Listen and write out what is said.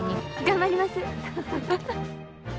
頑張ります。